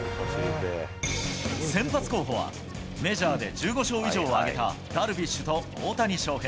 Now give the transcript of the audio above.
先発候補は、メジャーで１５勝以上を挙げたダルビッシュと大谷翔平。